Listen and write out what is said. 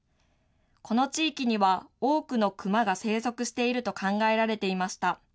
この地域には多くのクマが生息していると考えられていました。